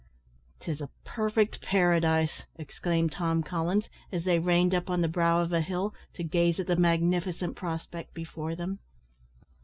"'Tis a perfect paradise!" exclaimed Tom Collins, as they reined up on the brow of a hill to gaze at the magnificent prospect before them.